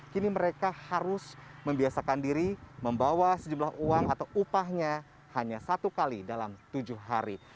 kini mereka harus membiasakan diri membawa sejumlah uang atau upahnya hanya satu kali dalam tujuh hari